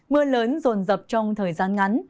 mưa lớn dồn dập trong thời gian ngắn